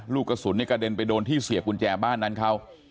ลูกกระสุนกระเด็นไปโดนที่เสียบกุญแจบ้านนั้นเขา